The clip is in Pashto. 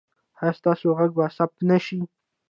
ایا ستاسو غږ به ثبت نه شي؟